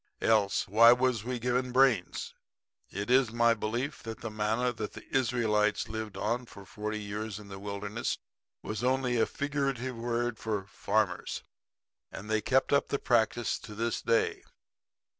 Else why was we given brains? It is my belief that the manna that the Israelites lived on for forty years in the wilderness was only a figurative word for farmers; and they kept up the practice to this day.